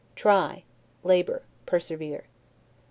Try, labor, persevere.